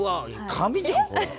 紙じゃんこれ。